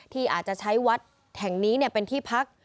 ที่อาจจะใช้วัดแห่งนี้เป็นที่พัก